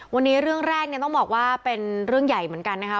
วันนี้เรื่องแรกเนี่ยต้องบอกว่าเป็นเรื่องใหญ่เหมือนกันนะคะ